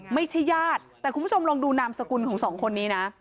ไม่ใช่ญาติแต่คุณผู้ชมลองดูนามสกุลของสองคนนี้นะ